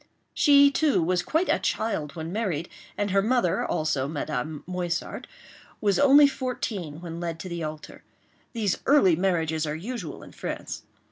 She, too, was quite a child when married; and her mother, also, Madame Moissart, was only fourteen when led to the altar. These early marriages are usual in France.